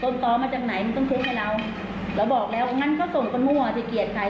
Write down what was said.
ต้นต้อมาจากไหนมันต้องทุกข์ให้เราเราบอกแล้วงั้นก็ส่งกันมั่วจะเกลียดใคร